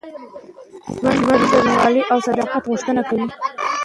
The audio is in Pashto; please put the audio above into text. ژوند د رښتینولۍ او صداقت غوښتنه کوي.